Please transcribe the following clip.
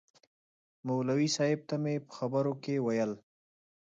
مولوي صاحب ته مې په خبرو کې ویل.